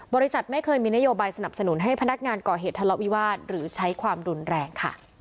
บริษัทไม่เคยมีนโยบายสนับสนุนให้พนักงานก่อเหตุทะเลาะวิวาสหรือใช้ความรุนแรงค่ะ